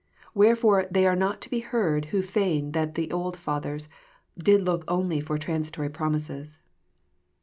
Wherefore they are not to be heard, which feign that the old Fathers did look only for transitory promises."